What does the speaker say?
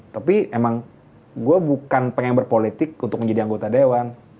tapi emang gue bukan pengen berpolitik untuk menjadi anggota dewan